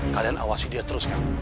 kalian awasi dia teruskan